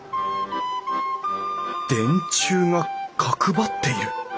電柱が角張っている！